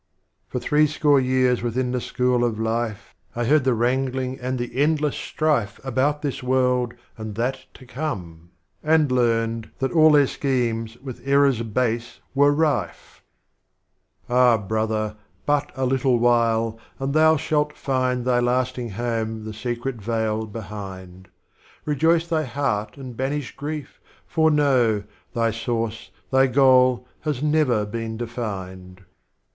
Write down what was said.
VI. For Three Score Years within the School of Life, I heard the Wrangling and the Endless Strife About this World and That to Come,— and learned, — That all their Schemes with Errors Base were rife! Strophes of Omar Khayyam. 53 Ah Brother, but a little while, aad Thou shalt find Thy Lasting Home the ' Secret Veil ' behind ;— Rejoice Thy Heart and banish Grief, for know; — Thy Source, Thy Goal, has never been defined.